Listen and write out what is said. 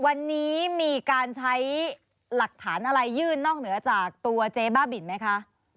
วันนี้มีการใช้หลักฐานอะไรยื่นนอกเหนือจากตัวเจ๊บ้าบินไหมคะ